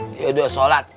dia udah sholat